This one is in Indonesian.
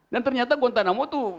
dan ternyata guantanamo itu